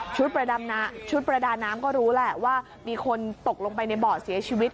ชุดประดาน้ำก็รู้แหละว่ามีคนตกลงไปในเบาะเสียชีวิต